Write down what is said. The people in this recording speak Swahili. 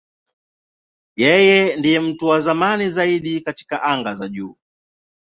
Yeye ndiye mtu wa zamani zaidi katika anga za juu.